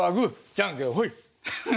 じゃんけんほい。